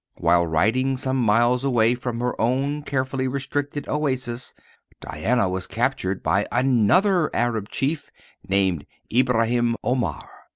While riding some miles away from their own carefully restricted oasis Diana was captured by another Arab chief named Ibraheim Omair.